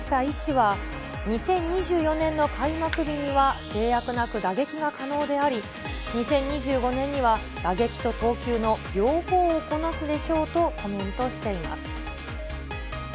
手術を担当した医師は、２０２４年の開幕日には、制約なく打撃が可能であり、２０２５年には、打撃と投球の両方をこなすでしょうとコメントしています。